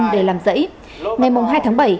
để làm giẫy ngày mùng hai tháng bảy